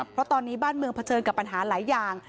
เพราะตอนนี้บ้านเมืองเผชิญกับปัญหาหลายอย่าง